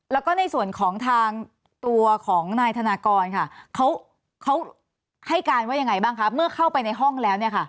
แล้วก็ในส่วนของทางตัวของนายธนากรค่ะเขาให้การว่ายังไงบ้างคะเมื่อเข้าไปในห้องแล้วเนี่ยค่ะ